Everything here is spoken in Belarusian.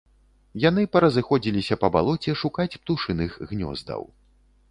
Яны паразыходзіліся па балоце шукаць птушыных гнёздаў.